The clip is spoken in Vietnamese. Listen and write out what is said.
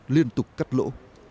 liên tục cắt lỗ